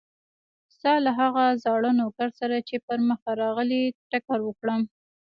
ستا له هغه زاړه نوکر سره چې پر مخه راغی ټکر وکړم.